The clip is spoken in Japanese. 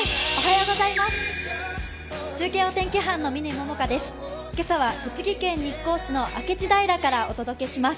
中継お天気班の嶺百花です。